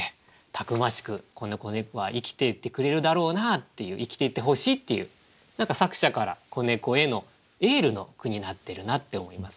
たくましくこの子猫は生きていってくれるだろうなっていう生きていってほしいっていう何か作者から子猫へのエールの句になってるなって思います。